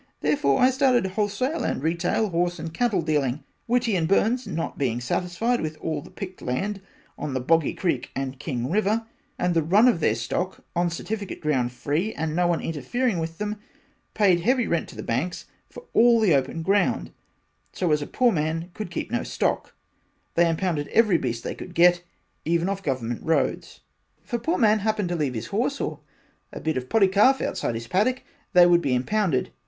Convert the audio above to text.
Therefore I started wholesale and retail horse and cattle dealing Whitty and Burns not being satisfied with all the picked land on the Boggy Creek and King River and the run of their stock on the certificate ground free and no one interfering with them paid heavy rent to the banks for all the open ground so as a poor man could keep no stock, and impounded every beast they could get, even off Government roads. If a poor man happened to leave his horse or bit of a poddy calf outside his paddock they would be impounded.